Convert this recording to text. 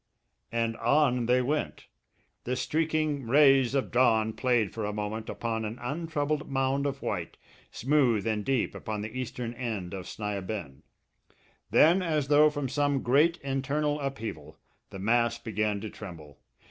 And on they went. The streaking rays of dawn played for a moment upon an untroubled mound of white, smooth and deep upon the eastern end of Sni a bend. Then, as though from some great internal upheaval, the mass began to tremble.